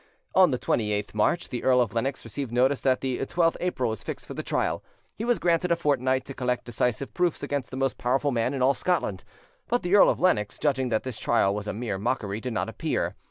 On the 28th March, the Earl of Lennox received notice that the 12th April was fixed for the trial: he was granted a fortnight to collect decisive proofs against the most powerful man in all Scotland; but the Earl of Lennox, judging that this trial was a mere mockery, did not appear.